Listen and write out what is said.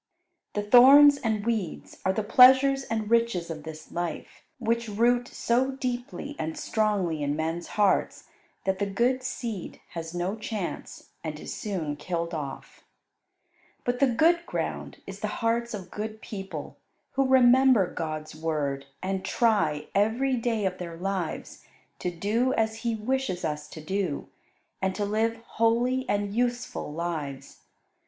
The thorns and weeds are the pleasures and riches of this life, which root so deeply and strongly in men's hearts that the good seed has no chance, and is soon killed off. But the good ground is the hearts of good people, who remember God's Word and try, every day of their lives, to do as He wishes us to do, and to live holy and useful lives.